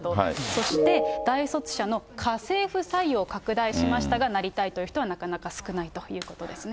そして、大卒者の家政婦採用を拡大しましたが、なりたいという人はなかなか少ないということですね。